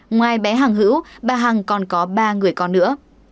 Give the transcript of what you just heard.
ngoài bé hàng hữu bà hằng còn có ba người con nữa